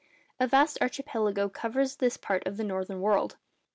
A vast archipelago covers this part of the northern world.